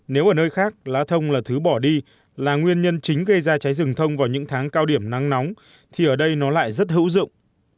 nếu ở nơi khác lá thông là thứ bỏ đi là nguyên nhân chính gây ra cháy rừng thông vào những tháng cao điểm nắng nóng thì ở đây nó lại rất hữu dụng